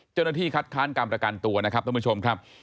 เจ้าหน้าที่คัดค้านการประกันตัวนะครับท่านผู้ชมครับ